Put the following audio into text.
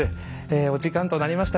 お時間となりました。